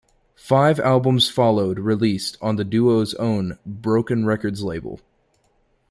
Five albums followed, released on the duo's own Broken Records label.